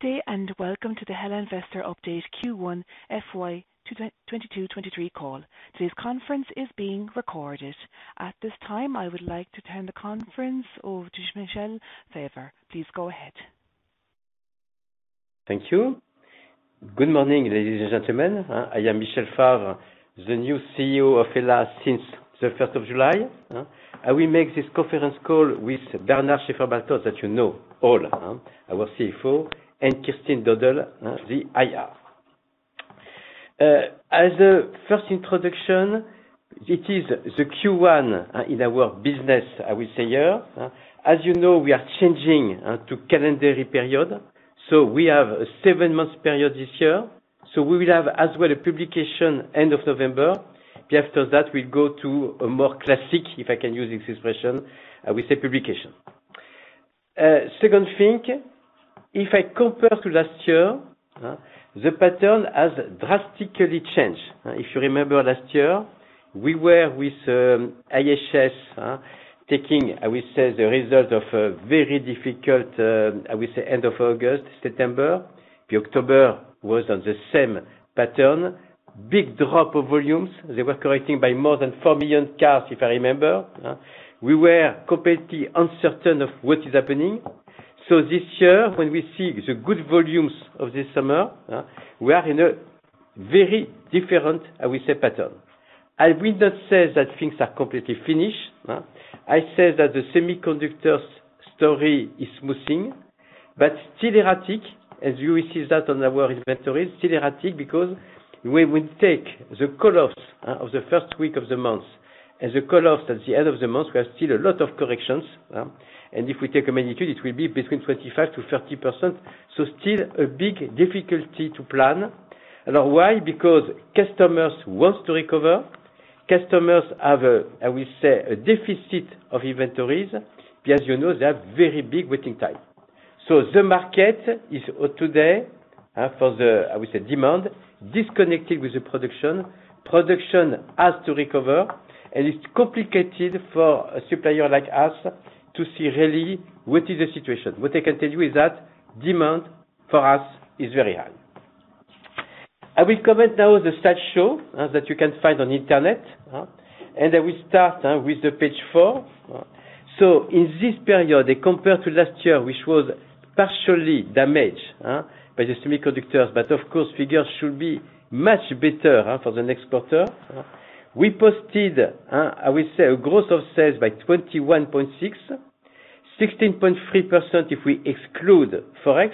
Good day, and welcome to the HELLA Investor Update Q1 FY 2022/2023 call. Today's conference is being recorded. At this time, I would like to turn the conference over to Michel Favre. Please go ahead. Thank you. Good morning, ladies and gentlemen. I am Michel Favre, the new CEO of HELLA since the 1st of July. I will make this conference call with Bernard Schäferbarthold, that you know all, our CFO, and Kerstin Dodel, the IR. As the first introduction, it is the Q1 in our business, I will say, yeah. As you know, we are changing to calendar period. We have a seven months period this year, so we will have as well a publication end of November. After that, we'll go to a more classic, if I can use this expression, we say publication. Second thing, if I compare to last year, the pattern has drastically changed. If you remember last year, we were with IHS, taking, I will say, the result of a very difficult end of August, September. October was on the same pattern. Big drop of volumes. They were correcting by more than 4 million cars, if I remember. We were completely uncertain of what is happening. This year, when we see the good volumes of this summer, we are in a very different, I will say, pattern. I will not say that things are completely finished. I say that the semiconductors story is smoothing, but still erratic, as you will see that on our inventories. Still erratic because when we take the collapse of the first week of the month and the collapse at the end of the month, we have still a lot of corrections. If we take a magnitude, it will be between 25%-30%. Still a big difficulty to plan. Now why? Because customers wants to recover. Customers have a, I will say, a deficit of inventories, because you know they have very big waiting time. The market is, today, for the, I will say, demand, disconnected with the production. Production has to recover, and it's complicated for a supplier like us to see really what is the situation. What I can tell you is that demand for us is very high. I will comment now on the slide show, that you can find on Internet, and I will start, with the page four. In this period, compared to last year, which was partially damaged, by the semiconductors, but of course figures should be much better, for the next quarter. We posted, I will say a growth of sales by 21.6%, 16.3% if we exclude forex.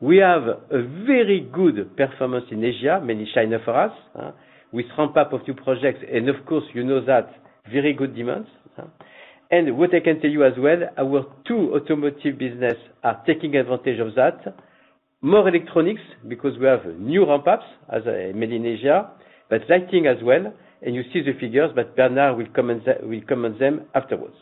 We have a very good performance in Asia, mainly China for us, with ramp up of new projects and of course you know that, very good demands. What I can tell you as well, our two automotive business are taking advantage of that. More electronics because we have new ramp ups as, made in Asia, but lighting as well. You see the figures, but Bernard will comment them afterwards.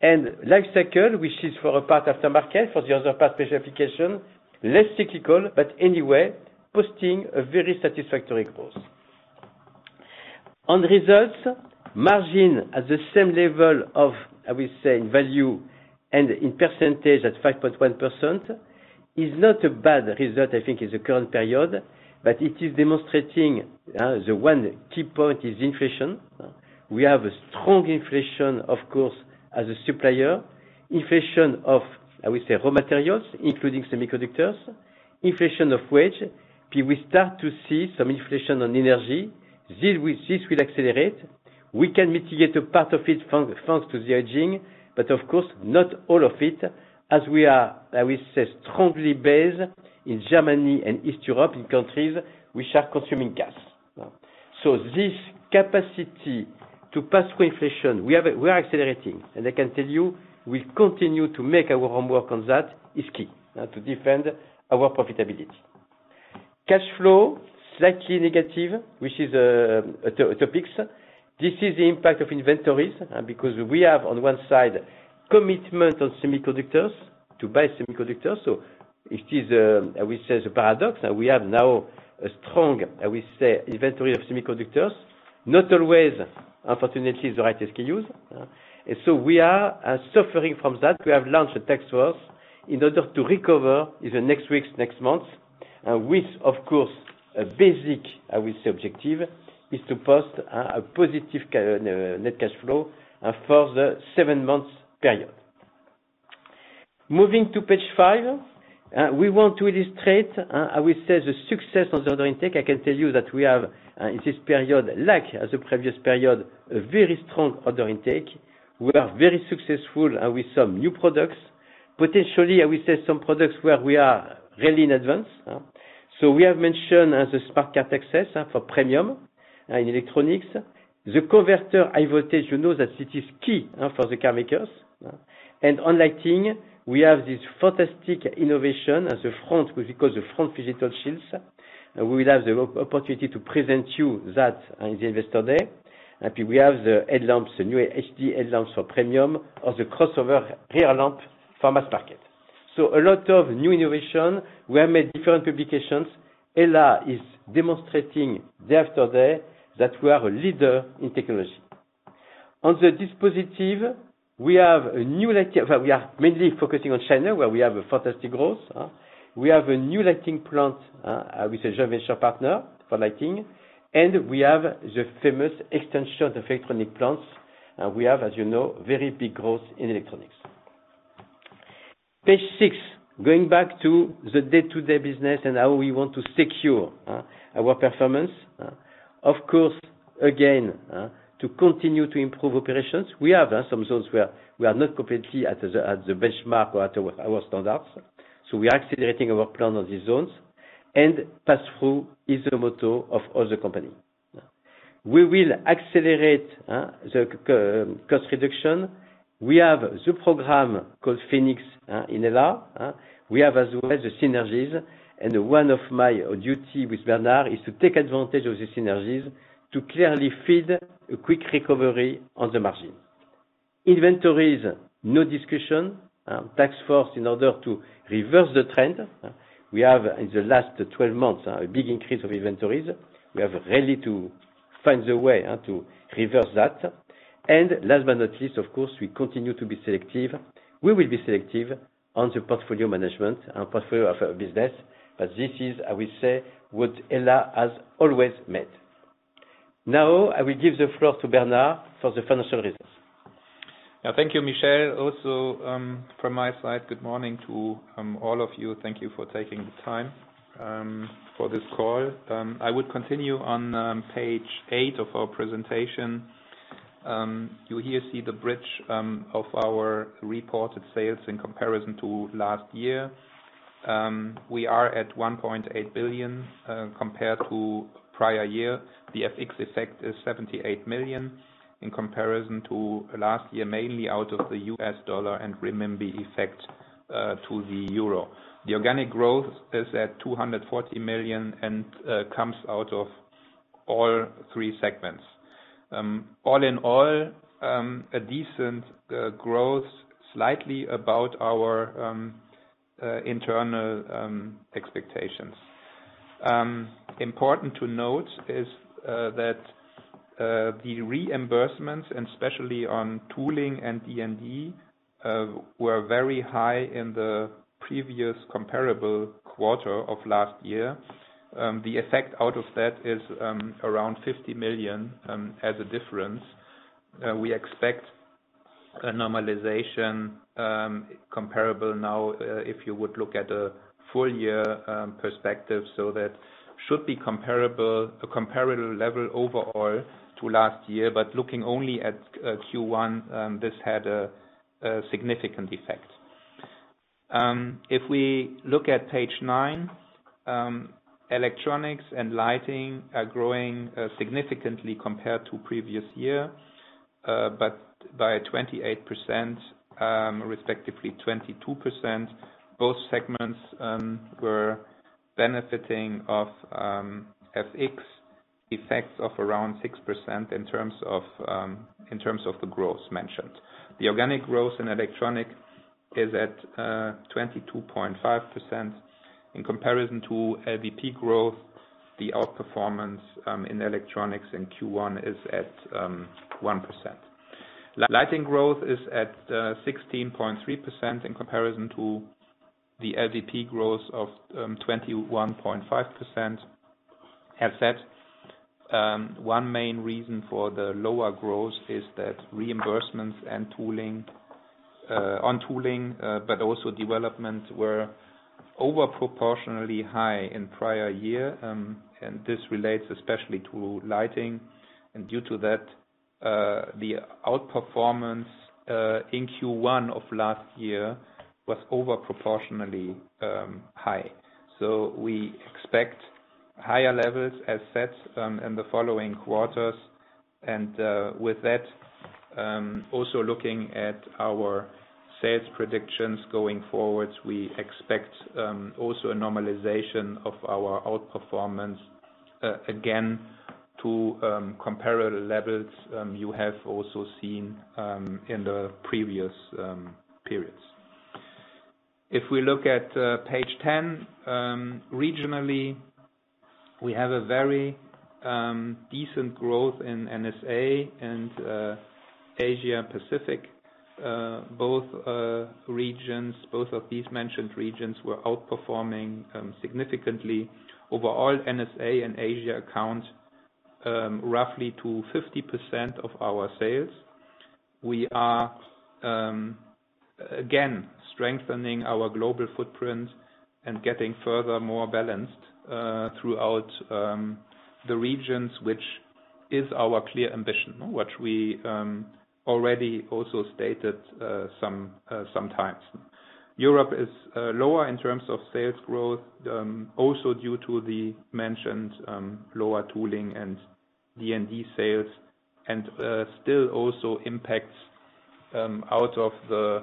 Lifecycle, which is for a part after market, for the other part special application, less cyclical, but anyway, posting a very satisfactory growth. On results, margin at the same level of, I will say, value and in percentage at 5.1% is not a bad result, I think, in the current period, but it is demonstrating. The one key point is inflation. We have a strong inflation, of course, as a supplier. Inflation of, I will say, raw materials, including semiconductors, inflation of wages. We start to see some inflation on energy. This will accelerate. We can mitigate a part of it thanks to the hedging, but of course, not all of it, as we are, I will say, strongly based in Germany and East Europe, in countries which are consuming gas. So this capacity to pass through inflation, we are accelerating. I can tell you, we've continued to make our homework on that. It's key to defend our profitability. Cash flow, slightly negative, which is a topic. This is the impact of inventories, because we have, on one side, commitment on semiconductors to buy semiconductors. It is, I will say the paradox. We have now a strong, I will say, inventory of semiconductors, not always, unfortunately, the right SKUs. We are suffering from that. We have launched a task force in order to recover in the next weeks, next months, with, of course, a basic, I will say, objective is to post a positive net cash flow for the seven months period. Moving to page five, we want to illustrate, I will say the success of the order intake. I can tell you that we have, in this period, like as the previous period, a very strong order intake. We are very successful with some new products. Potentially, I will say some products where we are really in advance. We have mentioned as a Smart Car Access for premium in electronics. The converter high voltage, you know that it is key for the car makers. On lighting, we have this fantastic innovation at the front, we call the Front Phygital Shield. We will have the opportunity to present you that in the Investor Day. We have the headlamps, the new HD headlamps for premium or the crossover rear lamp for mass market. A lot of new innovation. We have made different publications. HELLA is demonstrating day after day that we are a leader in technology. We are mainly focusing on China, where we have a fantastic growth, we have a new lighting plant, with a joint venture partner for lighting, and we have the famous extension of electronics plants, and we have, as you know, very big growth in electronics. Page six, going back to the day-to-day business and how we want to secure our performance. Of course, again, to continue to improve operations, we have some zones where we are not completely at the benchmark or at our standards, so we are accelerating our plan on these zones and pass-through is the motto of all the company. We will accelerate the cost reduction. We have the program called Phoenix in HELLA. We have, as always, the synergies, and one of my duty with Bernard is to take advantage of the synergies to clearly feed a quick recovery on the margin. Inventories, no discussion. Task force in order to reverse the trend. We have, in the last 12 months, a big increase of inventories. We have really to find the way to reverse that. Last but not least, of course, we continue to be selective. We will be selective on the portfolio management and portfolio of our business, but this is, I will say, what HELLA has always made. Now, I will give the floor to Bernard for the financial results. Thank you, Michel. Also, from my side, good morning to all of you. Thank you for taking the time for this call. I would continue on page eight of our presentation. You here see the bridge of our reported sales in comparison to last year. We are at 1.8 billion compared to prior year. The FX effect is 78 million in comparison to last year, mainly out of the U.S. dollar and renminbi effect to the euro. The organic growth is at 240 million and comes out of all three segments. All in all, a decent growth slightly above our internal expectations. Important to note is that the reimbursements, and especially on tooling and D&D, were very high in the previous comparable quarter of last year. The effect out of that is around 50 million as a difference. We expect a normalization comparable now if you would look at a full year perspective, so that should be a comparable level overall to last year. Looking only at Q1, this had a significant effect. If we look at page nine, electronics and lighting are growing significantly compared to previous year but by 28% respectively 22%. Both segments were benefiting from FX effects of around 6% in terms of the growth mentioned. The organic growth in electronics is at 22.5%. In comparison to LVP growth, the outperformance in electronics in Q1 is at 1%. Lighting growth is at 16.3% in comparison to the LVP growth of 21.5%. As said, one main reason for the lower growth is that reimbursements and tooling but also developments were over proportionally high in prior year, and this relates especially to lighting. Due to that, the outperformance in Q1 of last year was over proportionally high. We expect higher levels as set in the following quarters. With that, also looking at our sales predictions going forward, we expect also a normalization of our outperformance again to comparable levels you have also seen in the previous periods. If we look at page 10, regionally, we have a very decent growth in NSA and Asia-Pacific. Both of these mentioned regions were outperforming significantly. Overall, NSA and Asia account roughly to 50% of our sales. We are again strengthening our global footprint and getting further more balanced throughout the regions, which is our clear ambition, what we already also stated some times. Europe is lower in terms of sales growth, also due to the mentioned lower tooling and D&D sales and still also impacts out of the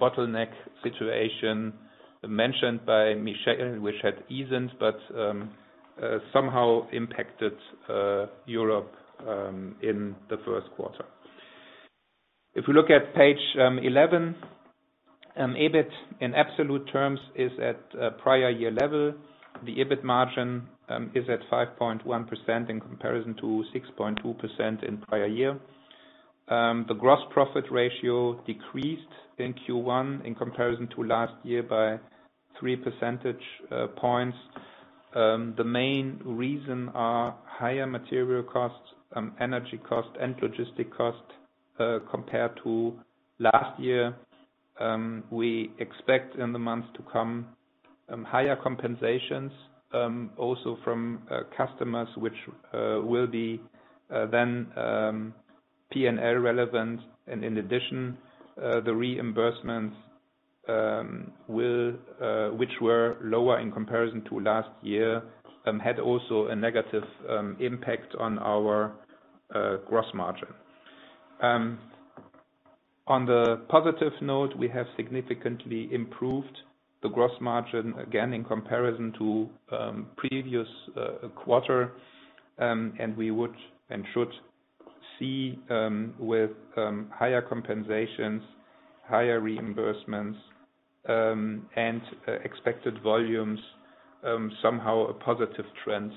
bottleneck situation mentioned by Michel, which had eased but somehow impacted Europe in the first quarter. If you look at page 11. EBIT in absolute terms is at prior year level. The EBIT margin is at 5.1% in comparison to 6.2% in prior year. The gross profit ratio decreased in Q1 in comparison to last year by three percentage points. The main reason are higher material costs, energy cost and logistic cost compared to last year. We expect in the months to come higher compensations also from customers which will be then P&L relevant. In addition, the reimbursements, which were lower in comparison to last year, had also a negative impact on our gross margin. On the positive note, we have significantly improved the gross margin, again, in comparison to previous quarter. We would and should see with higher compensations, higher reimbursements, and expected volumes somehow a positive trend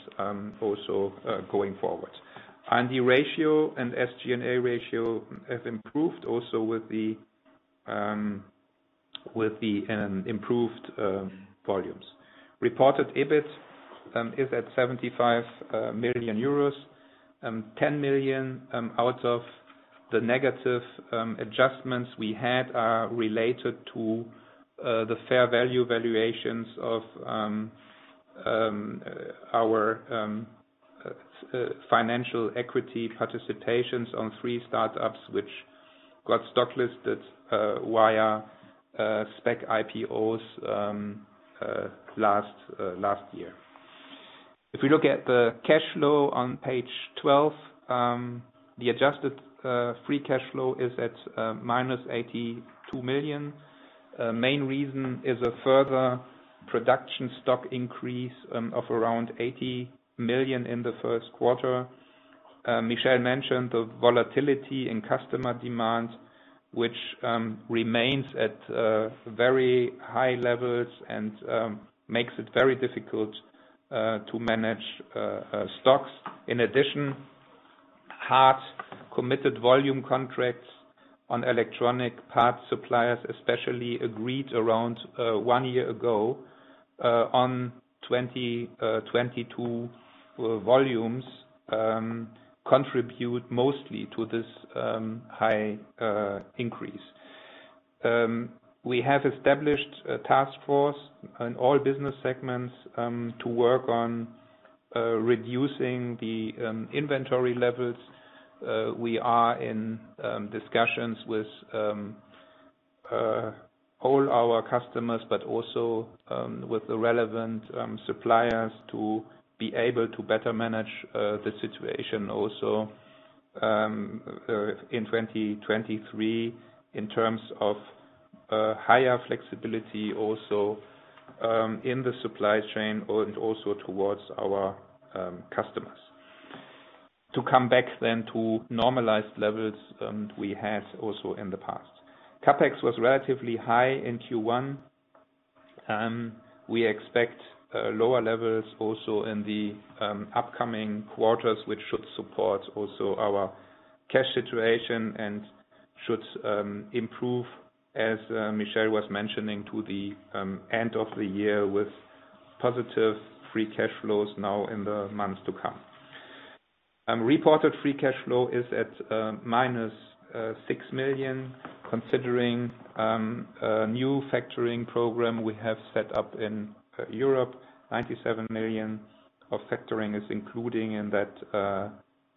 also going forward. R&D ratio and SG&A ratio have improved also with the improved volumes. Reported EBIT is at 75 million euros. 10 million out of the negative adjustments we had are related to the fair value valuations of our financial equity participations on three startups which got stock listed via SPAC IPOs last year. If we look at the cash flow on page 12, the adjusted free cash flow is at -82 million. Main reason is a further production stock increase of around 80 million in the first quarter. Michel mentioned the volatility in customer demand, which remains at very high levels and makes it very difficult to manage stocks. In addition, hard committed volume contracts on electronic parts suppliers especially agreed around one year ago on 2022 volumes contribute mostly to this high increase. We have established a task force on all business segments to work on reducing the inventory levels. We are in discussions with all our customers, but also with the relevant suppliers to be able to better manage the situation also in 2023 in terms of higher flexibility also in the supply chain and also towards our customers to come back then to normalized levels we had also in the past. CapEx was relatively high in Q1. We expect lower levels also in the upcoming quarters, which should support also our cash situation and should improve, as Michel was mentioning, to the end of the year with positive free cash flows now in the months to come. Reported free cash flow is at -6 million, considering a new factoring program we have set up in Europe. 97 million of factoring is including in that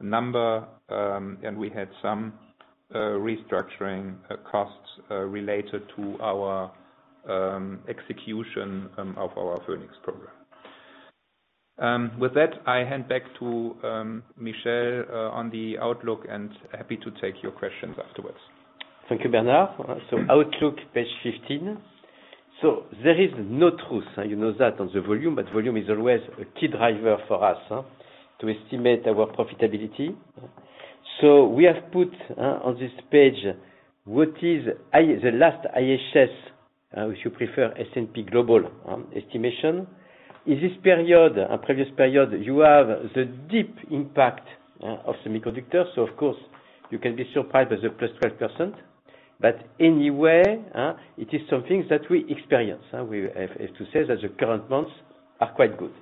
number, and we had some restructuring costs related to our execution of our Phoenix program. With that, I hand back to Michel on the outlook, and happy to take your questions afterwards. Thank you, Bernard. Outlook, page 15. There is no truth, you know that, on the volume, but volume is always a key driver for us to estimate our profitability. We have put on this page what is the last IHS, if you prefer S&P Global, estimation. In this period, a previous period, you have the deep impact of semiconductors. Of course you can be surprised as a +12%. But anyway, it is something that we experience. We have to say that the current months are quite good.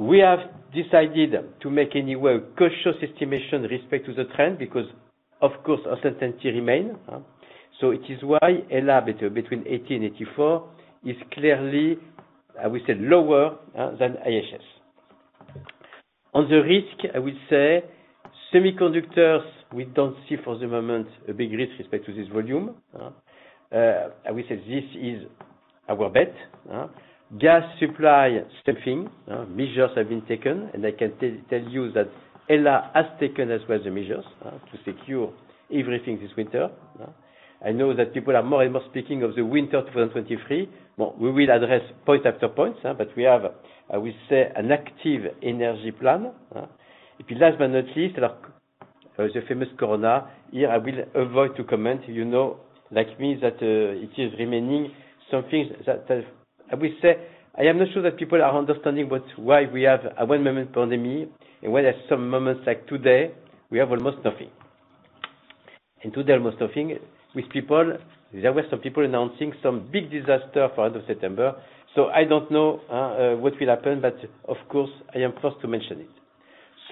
We have decided to make anyway cautious estimation with respect to the trend because of course uncertainty remain. It is why HELLA between 80 million and 84 million is clearly, I would say, lower than IHS. On the risk, I will say semiconductors we don't see for the moment a big risk with respect to this volume. I will say this is our bet, huh? Gas supply, same thing. Measures have been taken, and I can tell you that HELLA has taken as well the measures to secure everything this winter, huh? I know that people are more and more speaking of the winter of 2023. Well, we will address point after point, but we have, I will say, an active energy plan. Last but not least, there's a famous corona. Here I will avoid to comment, you know, like, that it is remaining some things that I will say I am not sure that people are understanding why we have a one moment pandemic and when, at some moments like today, we have almost nothing. Today, almost nothing with people. There were some people announcing some big disaster for the end of September, so I don't know what will happen, but of course, I am forced to mention it.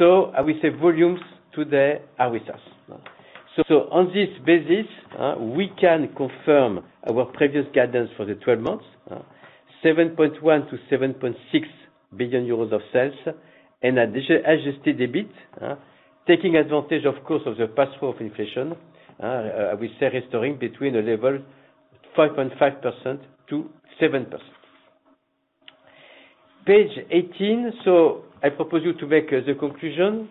I will say volumes today are with us. On this basis, we can confirm our previous guidance for the 12 months, 7.1-7.6 billion euros of sales and adjusted EBIT, taking advantage, of course, of the pass-through of inflation, I will say resulting between a level 5.5%-7%. Page 18, I propose you to make the conclusion.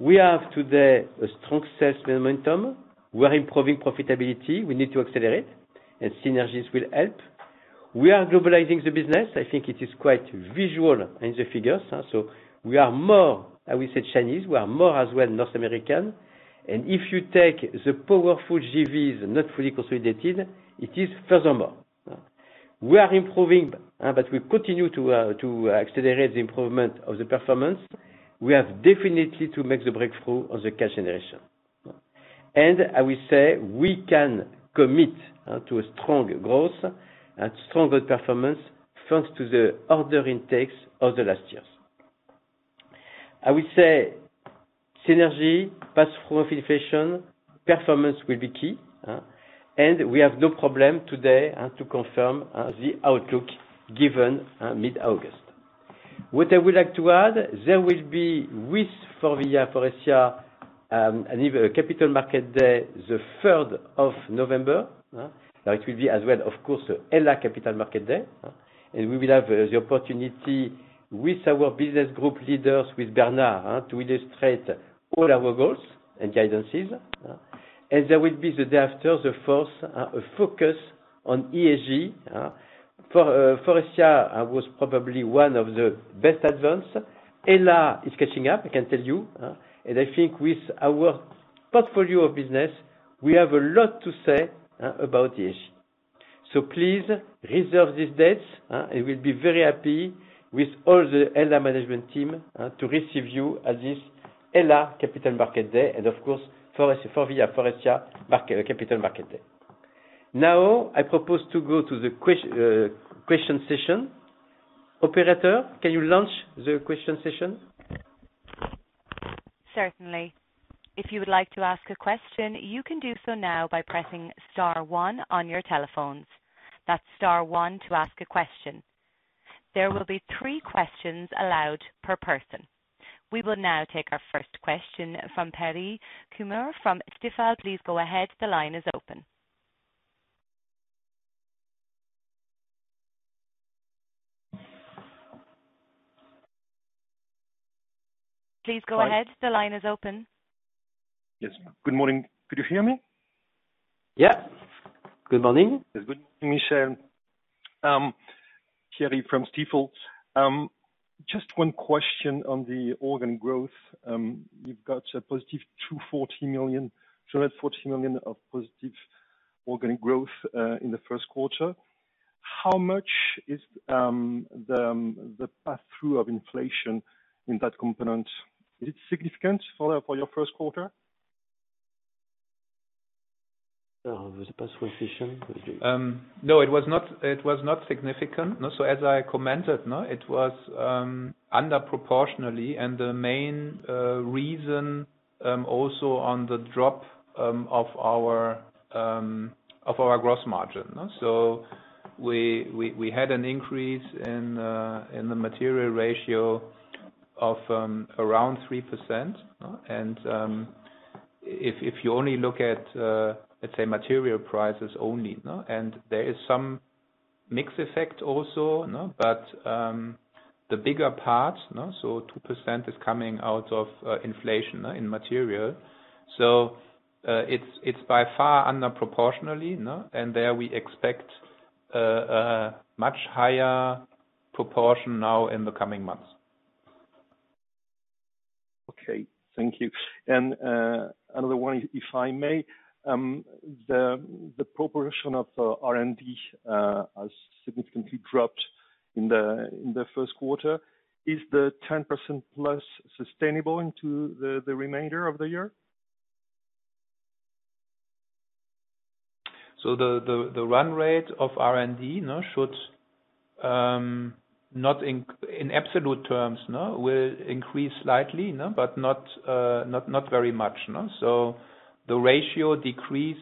We have today a strong sales momentum. We are improving profitability. We need to accelerate, and synergies will help. We are globalizing the business. I think it is quite visual in the figures. We are more, I would say Chinese, we are more as well North American. If you take the powerful JVs not fully consolidated, it is furthermore. We are improving, but we continue to accelerate the improvement of the performance. We have definitely to make the breakthrough of the cash generation. I will say we can commit to a strong growth and stronger performance, thanks to the order intakes of the last years. I will say synergy, pass-through of inflation, performance will be key, and we have no problem today to confirm the outlook given mid-August. What I would like to add, there will be with FORVIA Faurecia a Capital Markets Day, the 3rd of November. Now it will be as well, of course, the HELLA Capital Markets Day. We will have the opportunity with our business group leaders, with Bernard, to illustrate all our goals and guidances. There will be the day after the 4th, a focus on ESG. Faurecia was probably one of the best advanced. HELLA is catching up, I can tell you. I think with our portfolio of business, we have a lot to say about ESG. Please reserve these dates. I will be very happy with all the HELLA management team to receive you at this HELLA Capital Markets Day and of course, FORVIA Faurecia Capital Markets Day. Now, I propose to go to the question session. Operator, can you launch the question session? Certainly. If you would like to ask a question, you can do so now by pressing star one on your telephones. That's star one to ask a question. There will be three questions allowed per person. We will now take our first question from Pierre Quemener from Stifel. Please go ahead. The line is open. Please go ahead. The line is open. Yes. Good morning. Could you hear me? Yeah. Good morning. Good morning, Michel. Pierre from Stifel. Just one question on the organic growth. You've got a positive 240 million, so that's 40 million of positive organic growth in the first quarter. How much is the pass-through of inflation in that component? Is it significant for your first quarter? Of the pass-through inflation? No, it was not significant. As I commented, it was under proportionally. The main reason also on the drop of our gross margin. We had an increase in the material ratio of around 3%. If you only look at, let's say, material prices only, and there is some mix effect also. The bigger part, 2% is coming out of inflation in material. It's by far under proportionally. There we expect much higher proportion now in the coming months. Okay. Thank you. Another one, if I may. The proportion of R&D has significantly dropped in the first quarter. Is the 10%+ sustainable into the remainder of the year? The run rate of R&D should not increase in absolute terms. No, it will increase slightly, but not very much. The ratio decreased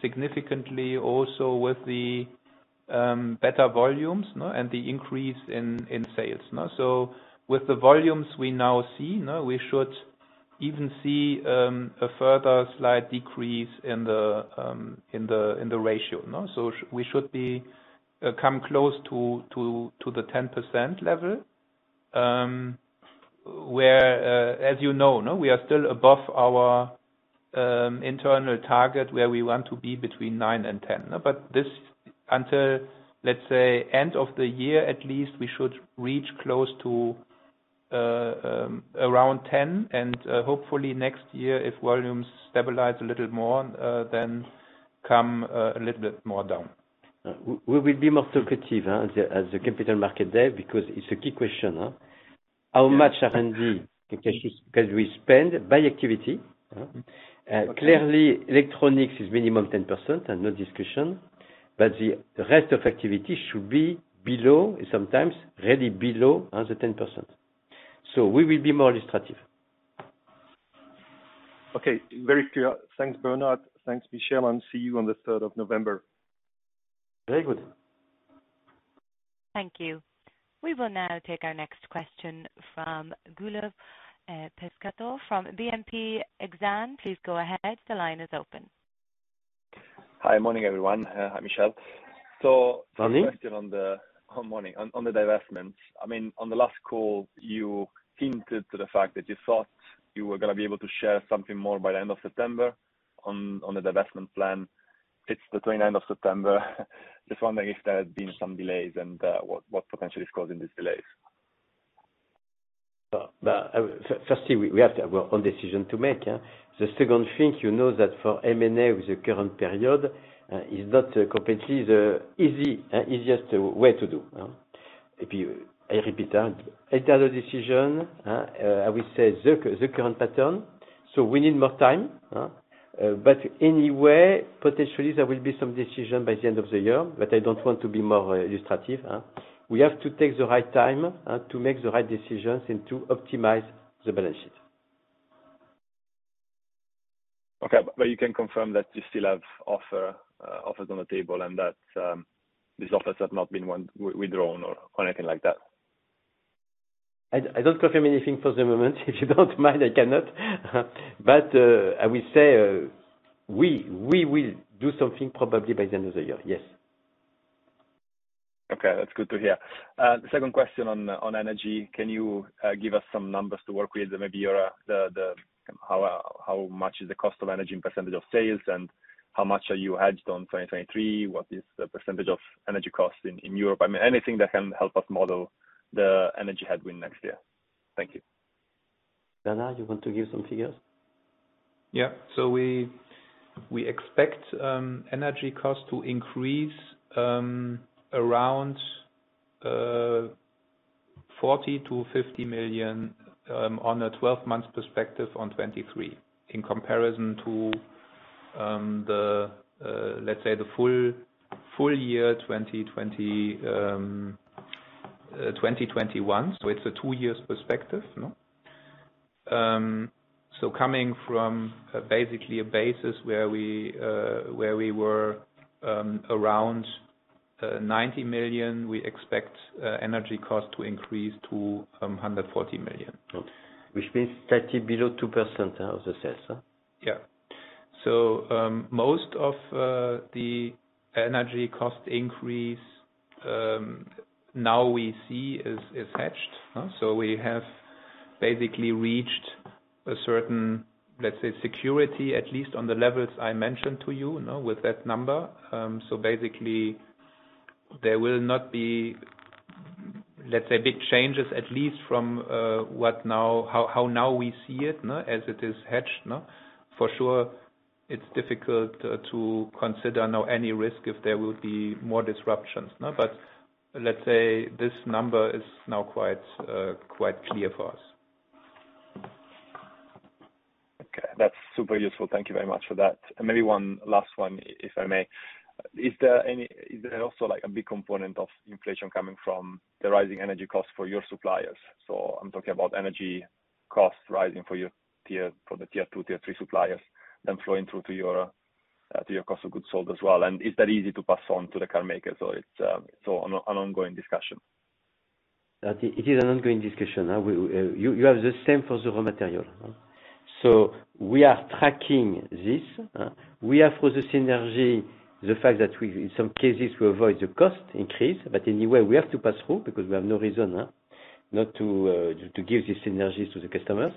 significantly also with the better volumes and the increase in sales. With the volumes we now see, we should even see a further slight decrease in the ratio. We should come close to the 10% level, where, as you know, we are still above our internal target where we want to be between 9% and 10%. This until, let's say, end of the year at least, we should reach close to around 10%. Hopefully next year, if volumes stabilize a little more, then come a little bit more down. We will be more talkative at the Capital Markets Day because it's a key question. How much R&D can we spend by activity. Okay. Clearly, electronics is minimum 10% and no discussion, but the rest of activity should be below, sometimes really below other 10%. We will be more illustrative. Okay. Very clear. Thanks, Bernard. Thanks, Michel. See you on the 3rd of November. Very good. Thank you. We will now take our next question from Giulio Pescatore from BNP Exane. Please go ahead. The line is open. Hi. Morning, everyone. Hi, Michel. Morning. One question on the divestments. I mean, on the last call, you hinted to the fact that you thought you were gonna be able to share something more by the end of September on the divestment plan. It's the 29th of September. Just wondering if there had been some delays and what potentially is causing these delays. Firstly, we have our own decision to make, yeah. The second thing, you know that for M&A with the current period is not completely the easiest way to do. I repeat that. It had a decision, I would say, the current pattern, so we need more time. Anyway, potentially there will be some decision by the end of the year, but I don't want to be more illustrative. We have to take the right time to make the right decisions and to optimize the balance sheet. Okay. You can confirm that you still have offers on the table and that these offers have not been withdrawn or anything like that? I don't confirm anything for the moment. If you don't mind, I cannot. I will say, we will do something probably by the end of the year. Yes. Okay. That's good to hear. The second question on energy. Can you give us some numbers to work with? How much is the cost of energy in percentage of sales, and how much are you hedged on 2023? What is the percentage of energy costs in Europe? I mean, anything that can help us model the energy headwind next year. Thank you. Bernard, you want to give some figures? Yeah. We expect energy costs to increase around 40 million-50 million on a 12-month perspective on 2023, in comparison to the let's say the full year 2020, 2021. It's a two years perspective, no? Coming from basically a basis where we were around 90 million, we expect energy costs to increase to 140 million. Which means slightly below 2% of the sales? Yeah. Most of the energy cost increase now we see is hedged. We have basically reached a certain, let's say, security, at least on the levels I mentioned to you know, with that number. Basically there will not be, let's say, big changes, at least from what now, how now we see it, no, as it is hedged, no? For sure, it's difficult to consider, no, any risk if there will be more disruptions, no? Let's say this number is now quite clear for us. Okay. That's super useful. Thank you very much for that. Maybe one last one, if I may. Is there also, like, a big component of inflation coming from the rising energy costs for your suppliers? So I'm talking about energy costs rising for your tier, for the Tier 2, Tier 3 suppliers, then flowing through to your, to your cost of goods sold as well. Is that easy to pass on to the carmakers, or it's, so an ongoing discussion? It is an ongoing discussion. You have the same for the raw material. We are tracking this. We have for the synergy, the fact that we, in some cases, avoid the cost increase, but anyway, we have to pass through because we have no reason not to give these synergies to the customers.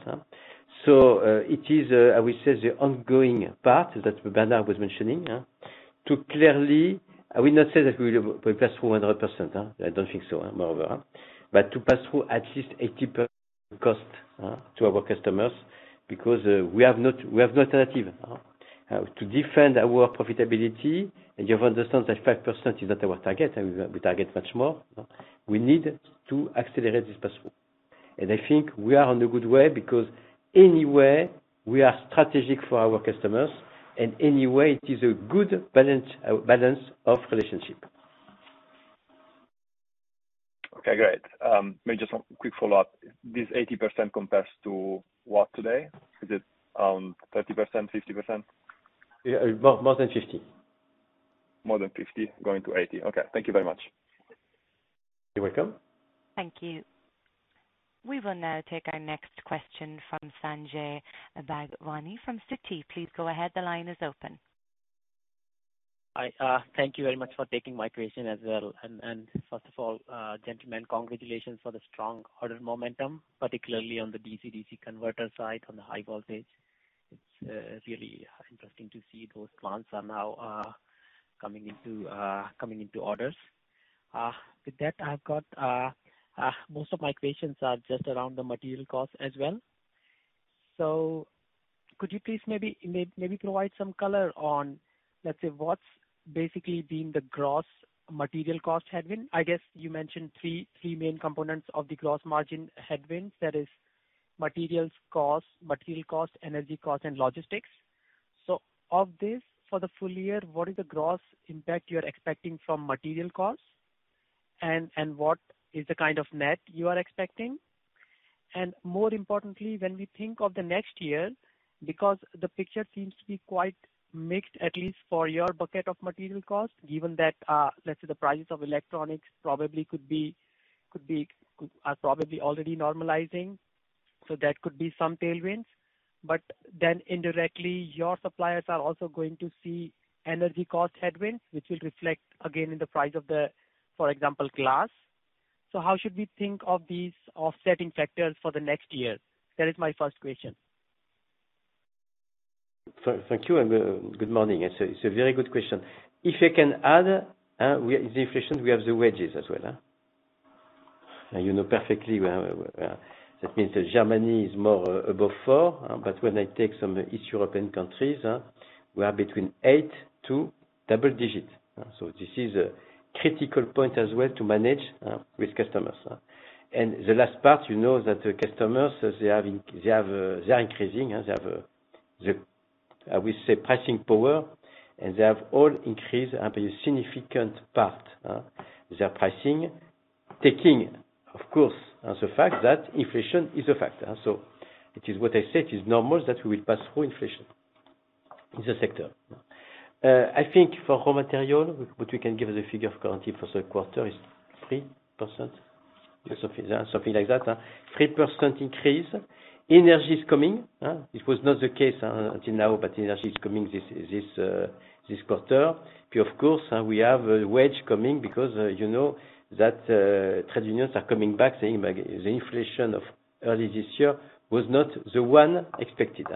It is, I would say, the ongoing part that Bernard was mentioning to clearly I will not say that we will pass through 100%. I don't think so, moreover. To pass through at least 80% cost to our customers because we have no alternative. To defend our profitability, and you have understood that 5% is not our target, and we target much more. We need to accelerate this pass-through. I think we are on a good way because anyway, we are strategic for our customers, and anyway, it is a good balance of relationship. Okay, great. Maybe just one quick follow-up. This 80% compares to what today? Is it, 30%, 50%? Yeah, more than 50%. More than 50%, going to 80%. Okay. Thank you very much. You're welcome. Thank you. We will now take our next question from Sanjay Bhagwani from Citi. Please go ahead. The line is open. I thank you very much for taking my question as well. First of all, gentlemen, congratulations for the strong order momentum, particularly on the DC/DC converter side, on the high voltage. It's really interesting to see those clients are now coming into orders. With that, I've got most of my questions are just around the material cost as well. Could you please maybe provide some color on, let's say, what's basically been the gross material cost headwind. I guess you mentioned three main components of the gross margin headwind. That is materials cost, energy cost, and logistics. Of this, for the full year, what is the gross impact you're expecting from material costs? What is the kind of net you are expecting? More importantly, when we think of the next year, because the picture seems to be quite mixed, at least for your bucket of material costs, given that, let's say the prices of electronics probably are already normalizing, so that could be some tailwinds. Indirectly, your suppliers are also going to see energy cost headwinds, which will reflect again in the price of the, for example, glass. How should we think of these offsetting factors for the next year? That is my first question. Thank you, and good morning. It's a very good question. If I can add, in the inflation, we have the wages as well. You know perfectly well that means that Germany is more above 4%. When I take some East European countries, we are between 8% to double digit. This is a critical point as well to manage with customers. The last part, you know that the customers, they are increasing. They have the, I would say, pricing power, and they have all increased at a significant part their pricing. Taking, of course, the fact that inflation is a factor. It is what I said, it's normal that we will pass through inflation in the sector. I think for raw material, what we can give as a figure currently for the quarter is 3%. Something like that. 3% increase. Energy is coming. This was not the case until now, but energy is coming this quarter. Of course, we have wage coming because you know that trade unions are coming back, saying like the inflation of early this year was not the one expected.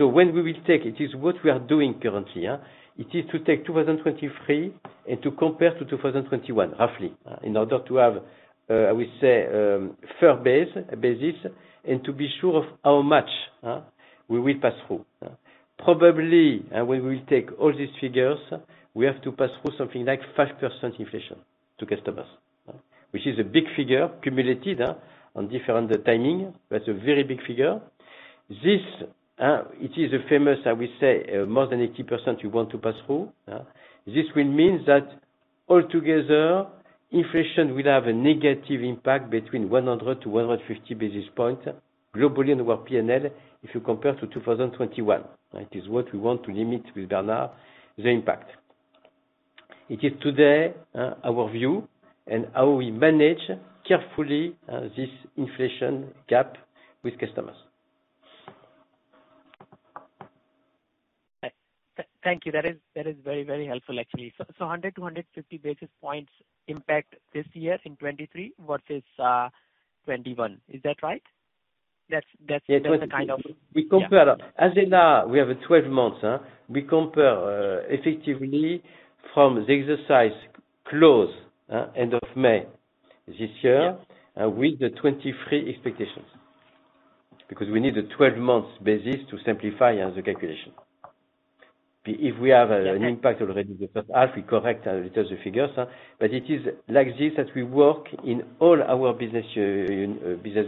When we will take it is what we are doing currently. It is to take 2023 and to compare to 2021, roughly, in order to have, I would say, fair basis, and to be sure of how much we will pass through. Probably, we will take all these figures, we have to pass through something like 5% inflation to customers, which is a big figure cumulated on different timing. That's a very big figure. This, it is a famous, I will say, more than 80% we want to pass through. This will mean that altogether inflation will have a negative impact between 100-150 basis points globally on our P&L if you compare to 2021. That is what we want to limit with Bernard, the impact. It is today, our view and how we manage carefully, this inflation gap with customers. Thank you. That is very helpful actually. 100-150 basis points impact this year in 2023 versus 2021. Is that right? That's the kind of- We compare. As in now, we have a 12 months, effectively from the exercise close, end of May this year with the 2023 expectations. Because we need a 12 months basis to simplify the calculation. If we have an impact already the first half, we correct it with the figures. It is like this that we work in all our business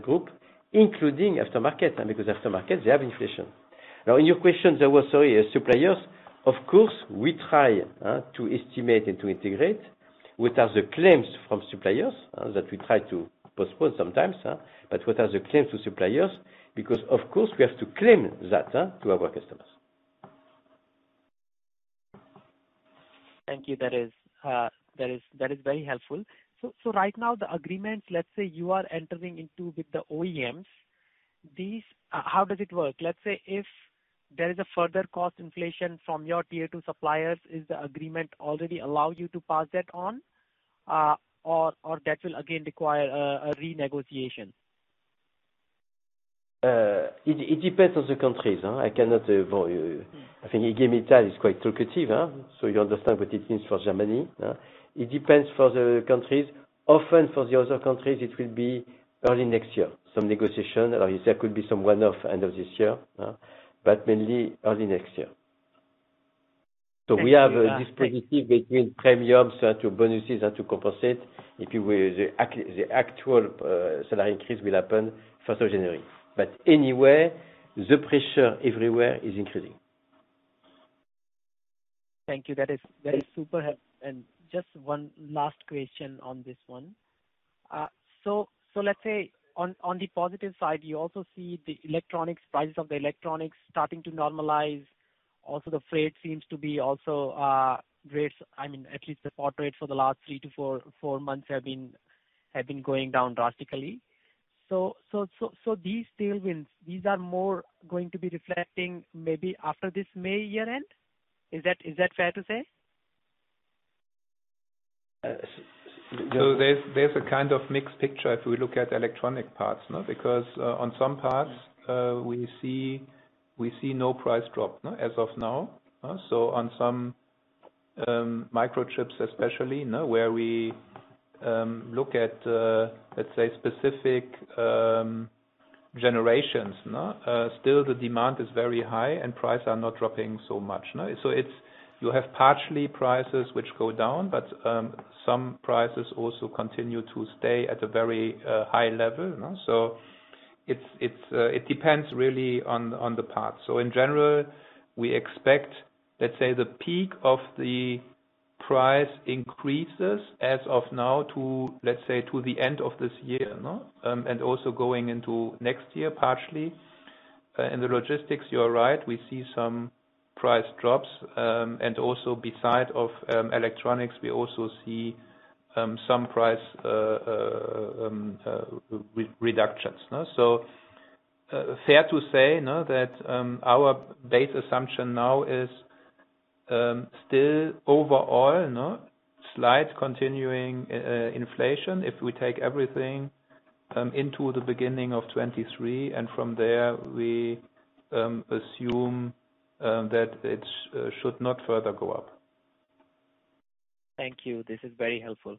group, including aftermarket. Because aftermarket, they have inflation. Now in your question, there was, sorry, suppliers. Of course, we try to estimate and to integrate with other claims from suppliers that we try to postpone sometimes, but with other claims to suppliers, because of course, we have to claim that to our customers. Thank you. That is very helpful. Right now the agreements, let's say you are entering into with the OEMs, these. How does it work? Let's say if there is a further cost inflation from your Tier 2 suppliers, is the agreement already allow you to pass that on? That will again require a renegotiation? It depends on the countries. I think IG Metall is quite talkative, so you understand what it means for Germany. It depends on the countries. Often for the other countries it will be early next year, some negotiation. There could be some one-off end of this year, but mainly early next year. We have this positive between premiums to bonuses to compensate if you will, the actual salary increase will happen 1st of January. Anyway, the pressure everywhere is increasing. Thank you. Just one last question on this one. So let's say on the positive side, you also see the electronics prices of the electronics starting to normalize. Also the freight seems to be also rates. I mean, at least the port rates for the last three to four months have been going down drastically. These tailwinds, these are more going to be reflecting maybe after this May year end. Is that fair to say? There's a kind of mixed picture if we look at electronic parts, no? Because on some parts we see no price drop, huh, as of now. On some microchips especially, you know, where we look at let's say specific generations, no? Still the demand is very high and prices are not dropping so much, no? You have partially prices which go down, but some prices also continue to stay at a very high level, no? It depends really on the part. In general, we expect let's say the peak of the price increases as of now to let's say to the end of this year, no? Also going into next year, partially. In the logistics, you are right, we see some price drops. Also besides electronics, we also see some price reductions, no? Fair to say that our base assumption now is still overall slight continuing inflation if we take everything into the beginning of 2023, and from there, we assume that it should not further go up. Thank you. This is very helpful.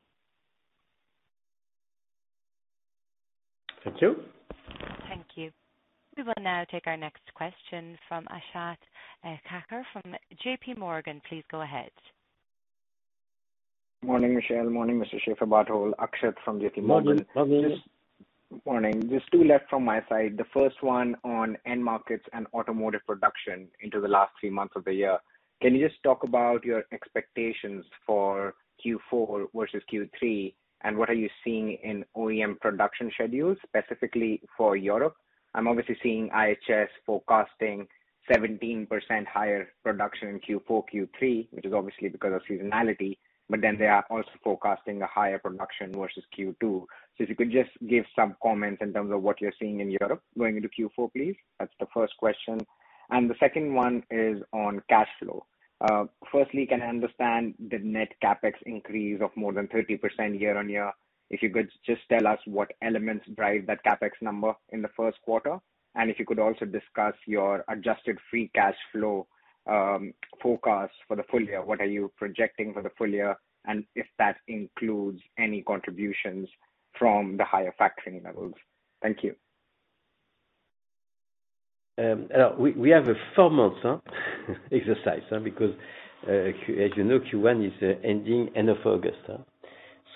Thank you. Thank you. We will now take our next question from Akshat Kacker from JPMorgan. Please go ahead. Morning, Michel. Morning, Mr. Schäferbarthold. Akshat from JPMorgan. Morning. How are you? Morning. Just two left from my side. The first one on end markets and automotive production into the last three months of the year. Can you just talk about your expectations for Q4 versus Q3, and what are you seeing in OEM production schedules, specifically for Europe? I'm obviously seeing IHS forecasting 17% higher production in Q4, Q3, which is obviously because of seasonality, but then they are also forecasting a higher production versus Q2. If you could just give some comments in terms of what you're seeing in Europe going into Q4, please. That's the first question. The second one is on cash flow. First, can I understand the net CapEx increase of more than 30% year-on-year? If you could just tell us what elements drive that CapEx number in the first quarter, and if you could also discuss your adjusted free cash flow forecast for the full year, what are you projecting for the full year, and if that includes any contributions from the higher factoring levels? Thank you. We have a four months exercise because, as you know, Q1 is ending end of August.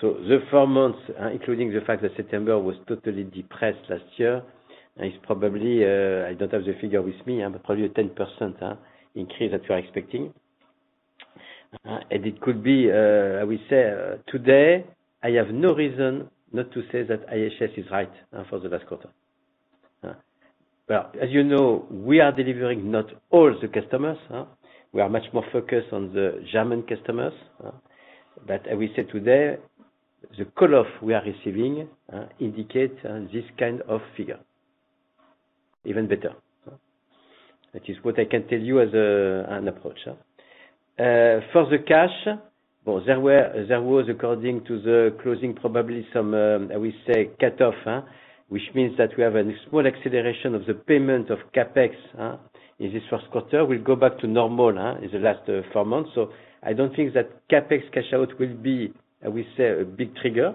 So the four months, including the fact that September was totally depressed last year, is probably, I don't have the figure with me, but probably a 10% increase that we're expecting. It could be, I will say, today, I have no reason not to say that IHS is right for the last quarter. But as you know, we are delivering not all the customers. We are much more focused on the German customers, but I will say today, the call off we are receiving indicate this kind of figure, even better. That is what I can tell you as an approach. For the cash, there was, according to the closing, probably some cutoff, which means that we have a small acceleration of the payment of CapEx in this first quarter. We'll go back to normal in the last four months. I don't think that CapEx cash out will be, I will say, a big trigger.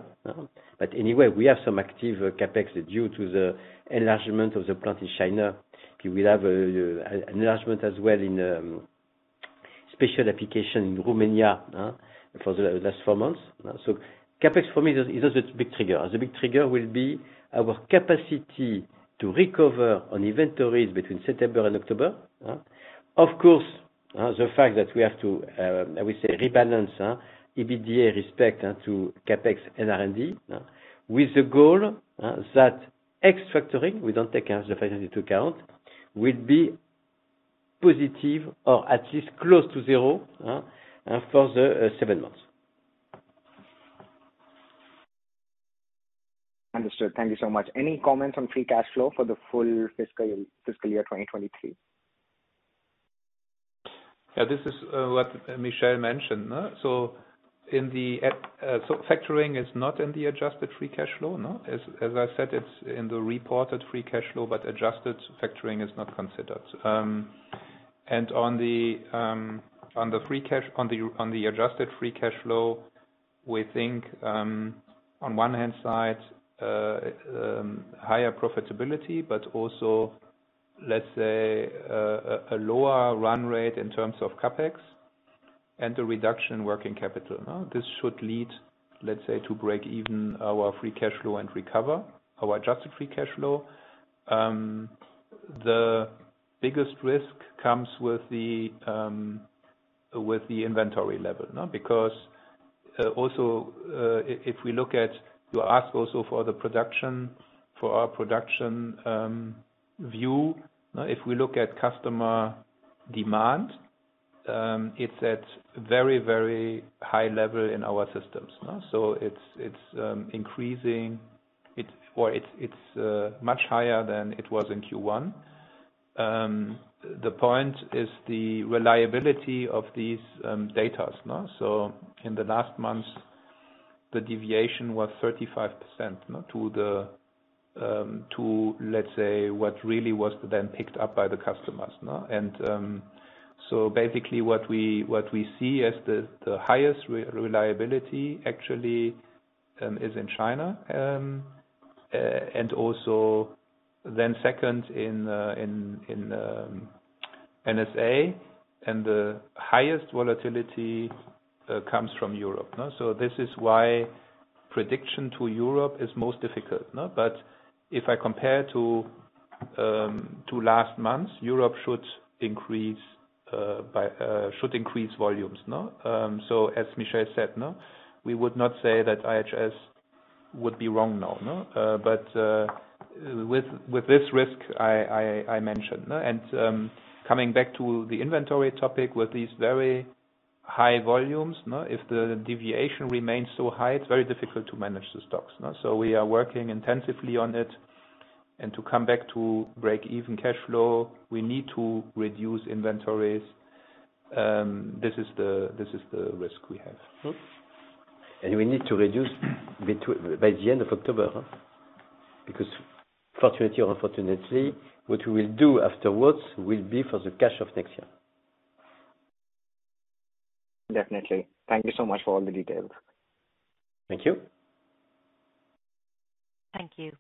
Anyway, we have some active CapEx due to the enlargement of the plant in China. We will have an enlargement as well in special application in Romania for the last four months. CapEx for me is not a big trigger. The big trigger will be our capacity to recover on inventories between September and October. Of course, the fact that we have to, I will say rebalance EBITDA with respect to CapEx and R&D, with the goal that ex factoring, we don't take the factoring into account, will be positive or at least close to zero, for the seven months. Understood. Thank you so much. Any comments on free cash flow for the full fiscal year 2023? This is what Michel mentioned. Factoring is not in the adjusted free cash flow, no? As I said, it's in the reported free cash flow, but adjusted factoring is not considered. And on the adjusted free cash flow, we think, on one hand side, higher profitability, but also, let's say, a lower run rate in terms of CapEx and the reduction in working capital, no? This should lead, let's say, to break even our free cash flow and recover our adjusted free cash flow. The biggest risk comes with the inventory level, no? Because, also, if we look at. You ask also for the production, for our production view. If we look at customer demand, it's at very, very high level in our systems, so it's increasing it. Or it's much higher than it was in Q1. The point is the reliability of these data is now. In the last months, the deviation was 35% to the, to let's say, what really was then picked up by the customers, no. Basically what we see as the highest reliability actually is in China, and also then second in NSA, and the highest volatility comes from Europe. This is why prediction to Europe is most difficult. If I compare to last month, Europe should increase volumes. As Michel said, no, we would not say that IHS would be wrong, no. With this risk I mentioned. Coming back to the inventory topic, with these very high volumes, if the deviation remains so high, it's very difficult to manage the stocks. We are working intensively on it. To come back to break even cash flow, we need to reduce inventories. This is the risk we have. We need to reduce by the end of October. Because fortunately or unfortunately, what we will do afterwards will be for the cash of next year. Definitely. Thank you so much for all the details. Thank you. Thank you.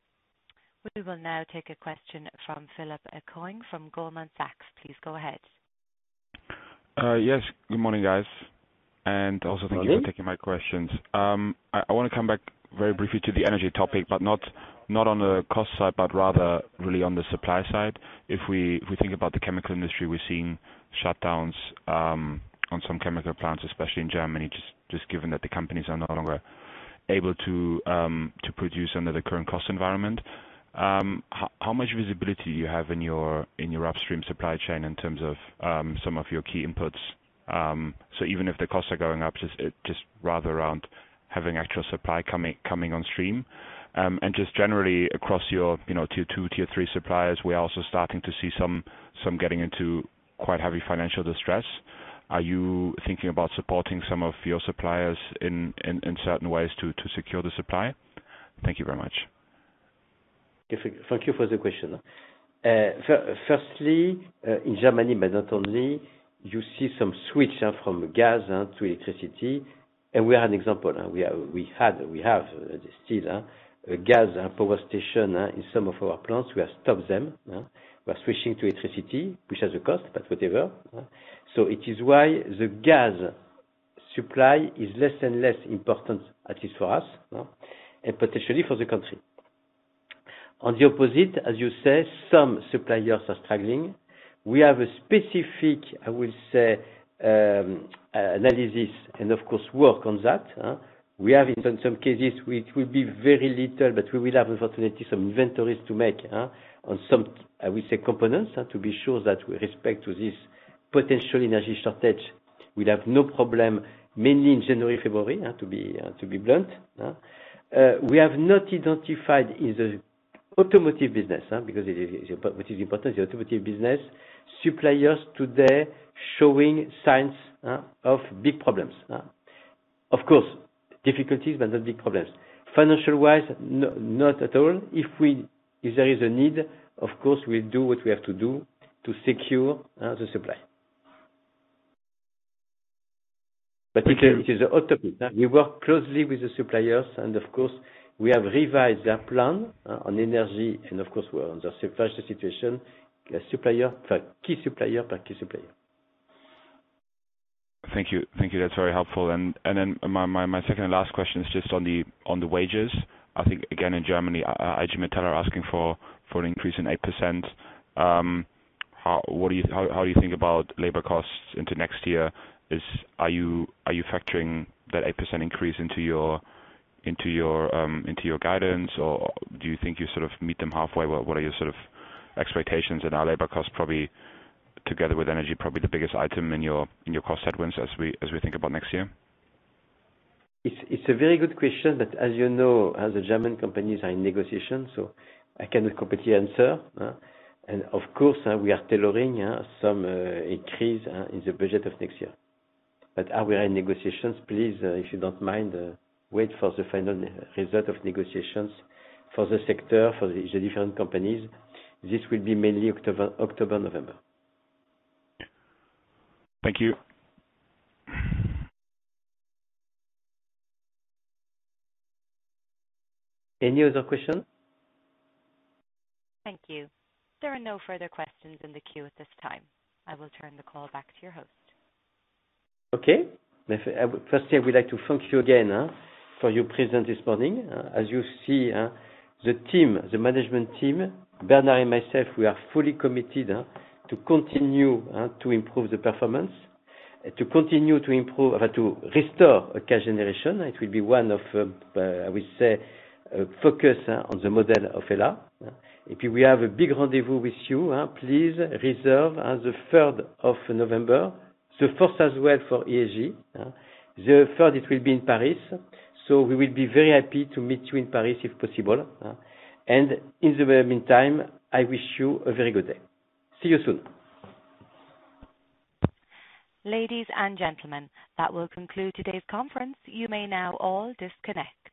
We will now take a question from Philipp Koenig from Goldman Sachs. Please go ahead. Yes. Good morning, guys. Also thank you for taking my questions. I wanna come back very briefly to the energy topic, but not on the cost side, but rather really on the supply side. If we think about the chemical industry, we're seeing shutdowns on some chemical plants, especially in Germany, just given that the companies are no longer able to produce under the current cost environment. How much visibility do you have in your upstream supply chain in terms of some of your key inputs? So even if the costs are going up, just rather around having actual supply coming on stream. And just generally across your, you know, Tier 2, Tier 3 suppliers, we are also starting to see some getting into quite heavy financial distress. Are you thinking about supporting some of your suppliers in certain ways to secure the supply? Thank you very much. Thank you for the question. Firstly, in Germany, but not only, you see some switch from gas to electricity, and we are an example. We had, we still have a gas power station in some of our plants. We have stopped them. We're switching to electricity, which has a cost, but whatever. It is why the gas supply is less and less important, at least for us, and potentially for the country. On the opposite, as you say, some suppliers are struggling. We have a specific, I will say, analysis and of course work on that. We have in some cases, it will be very little, but we will have unfortunately some inventories to make, on some, I would say, components, to be sure that with respect to this potential energy shortage, we'll have no problem, mainly in January, February, to be blunt. We have not identified in the automotive business, because it is, what is important, the automotive business, suppliers today showing signs of big problems. Of course, difficulties, but not big problems. Financial-wise, not at all. If there is a need, of course, we'll do what we have to do to secure the supply. But it is automotive. We work closely with the suppliers, and of course, we have revised their plan on energy, and of course, we're on top of the situation, supplier, key supplier, per key supplier. Thank you. That's very helpful. Then my second and last question is just on the wages. I think, again, in Germany, IG Metall are asking for an increase in 8%. How do you think about labor costs into next year? Are you factoring that 8% increase into your guidance? Or do you think you sort of meet them halfway? What are your sort of expectations in our labor costs, probably together with energy, probably the biggest item in your cost headwinds as we think about next year? It's a very good question, but as you know, as the German companies are in negotiation, so I cannot completely answer. Of course, we are tailoring some increase in the budget of next year. As we are in negotiations, please, if you don't mind, wait for the final result of negotiations for the sector, for the different companies. This will be mainly October, November. Thank you. Any other question? Thank you. There are no further questions in the queue at this time. I will turn the call back to your host. Okay. First I would like to thank you again for your presence this morning. As you see, the team, the management team, Bernard and myself, we are fully committed to continue to improve the performance or to restore a cash generation. It will be one of, I would say, a focus on the model of HELLA. If you will have a big rendezvous with you, please reserve as of 3rd of November. The 4th as well for ESG. The 3rd, it will be in Paris. We will be very happy to meet you in Paris if possible. In the meantime, I wish you a very good day. See you soon. Ladies and gentlemen, that will conclude today's conference. You may now all disconnect.